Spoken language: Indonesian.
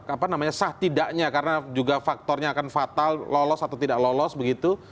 apa namanya sah tidaknya karena juga faktornya akan fatal lolos atau tidak lolos begitu